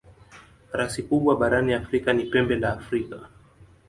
Rasi kubwa barani Afrika ni Pembe la Afrika.